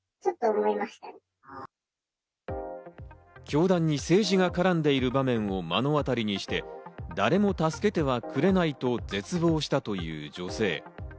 教団に政治が絡んでいる場面を目の当たりにして、誰も助けてはくれないと絶望したという女性。